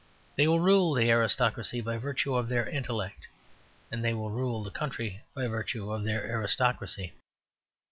They will rule the aristocracy by virtue of their intellect, and they will rule the country by virtue of their aristocracy.